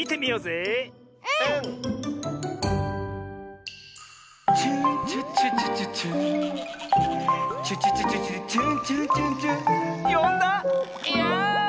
いや！